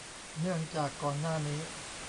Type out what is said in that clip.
เนื่องจากก่อนหน้านี้